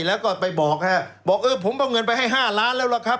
แล้วก็ไปบอกฮะบอกเออผมเอาเงินไปให้๕ล้านแล้วล่ะครับ